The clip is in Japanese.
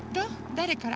だれから？